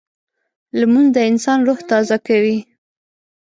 لمونځ د انسان روح تازه کوي